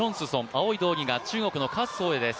青い道着が中国の選手です。